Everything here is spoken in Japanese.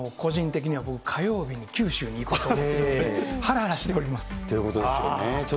個人的には僕、火曜日に九州に行こうと思ってるので、はらはということですよね。